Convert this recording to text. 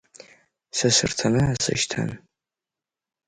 Сасырҭаны асы шьҭан…